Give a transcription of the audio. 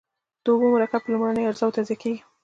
د اوبو مرکب په لومړنیو اجزاوو تجزیه کیږي.